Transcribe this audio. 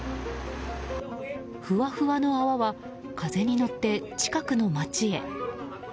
ふわふわの泡は風に乗って近くの街へ。